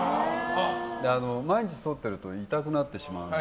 毎日そっていると痛くなってしまうので